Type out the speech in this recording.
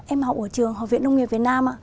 em học ở trường học viện đông nghiệp việt nam